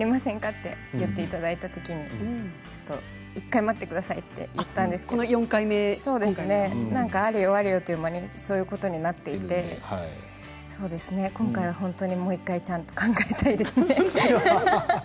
って言っていただいたときに１回待ってくださいって言ったんですけれどあれよあれよという間にそういうことになっていって今回は、もう１回ちゃんと考えたいですね。